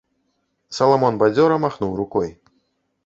Саламон бадзёра махнуў рукой.